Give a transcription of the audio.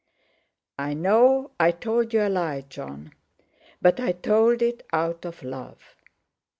"I know I told you a lie, Jon. But I told it out of love."